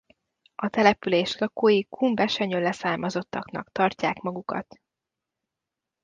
A település lakói kun-besenyő leszármazottaknak tartják magukat.